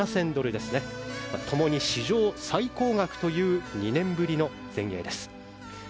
共に史上最高額という２年ぶりの全英です。